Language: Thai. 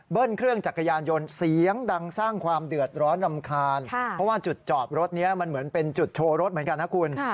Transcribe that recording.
เพราะว่าจุดรับฝากรถเป็นจุดโชว์รถเหมือนกันนะครับคุณ